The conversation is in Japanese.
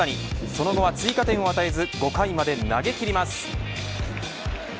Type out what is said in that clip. その後は追加点を与えず５回まで投げ切ります。